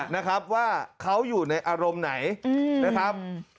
นะครับว่าเขาอยู่ในอารมณ์ไหนนะครับ